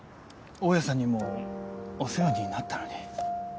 大家さんにもお世話になったのに。